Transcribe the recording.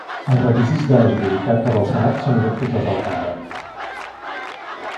Els requisits d'elegibilitat per al Senat són idèntics als de la Cambra.